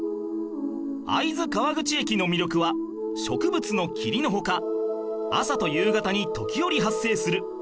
会津川口駅の魅力は植物の桐の他朝と夕方に時折発生する霧